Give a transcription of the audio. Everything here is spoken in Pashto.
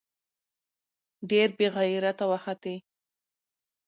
ډېر بې غېرته وختې.